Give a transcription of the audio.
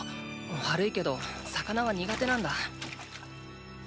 悪いけど魚は苦手なんだ。